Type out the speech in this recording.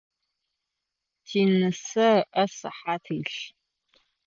Тинысэ ыӏэ сыхьат илъ.